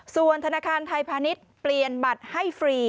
ส่วนธนาคารไทยพาณิชย์เปลี่ยนบัตรให้ฟรี